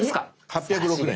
８０６年。